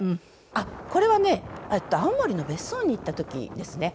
あっこれはね青森の別荘に行った時ですね。